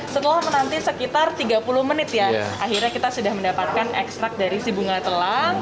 setelah menanti sekitar tiga puluh menit ya akhirnya kita sudah mendapatkan ekstrak dari si bunga telang